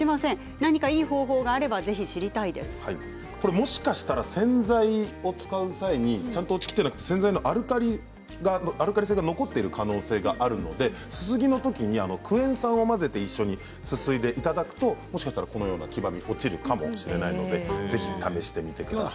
もしかしたら洗剤を使う際にちゃんと落ちてなくて洗剤のアルカリ性が残っている可能性があるのですすぎのときにクエン酸を混ぜて一緒にすすいでいただくともしかしたらこのような黄ばみ落ちるかもしれないのでぜひ試してみてください。